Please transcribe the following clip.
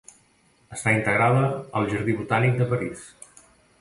Està integrada al jardí botànic de París.